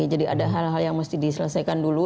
jadi ada hal hal yang harus diselesaikan dulu